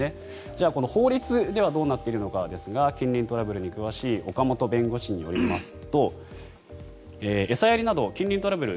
じゃあ法律ではどうなっているのかということですが近隣トラブルに詳しい岡本弁護士によりますと餌やりなど近隣トラブル